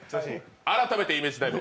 改めてイメージダイブ